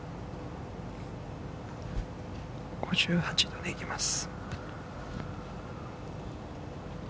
５８度でいきます。